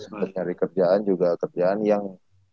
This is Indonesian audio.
terus mencari kerjaan juga kerjaan yang